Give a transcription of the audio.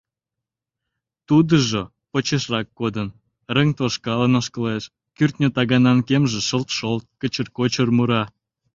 Тудыжо, почешрак кодын, рыҥ тошкалын ошкылеш, кӱртньӧ таганан кемже шылт-шолт, кычыр-кочыр мура.